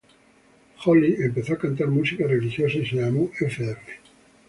Joly empezó a cantar música religiosa y se llamó "Fr.